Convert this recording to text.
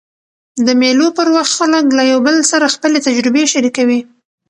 د مېلو پر وخت خلک له یو بل سره خپلي تجربې شریکوي.